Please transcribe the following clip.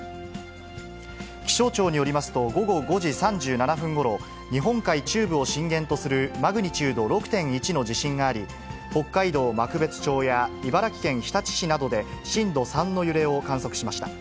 気象庁によりますと、午後５時３７分ごろ、日本海中部を震源とするマグニチュード６．１の地震があり、北海道幕別町や茨城県日立市などで、震度３の揺れを観測しました。